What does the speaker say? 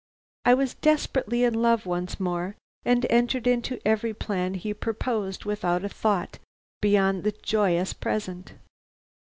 I was desperately in love once more, and entered into every plan he proposed without a thought beyond the joyous present.